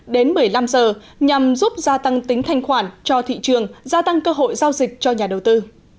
đến một mươi năm giờ nhằm giúp gia tăng tính thanh khoản cho thị trường gia tăng cơ hội giao dịch cho nhà đầu tư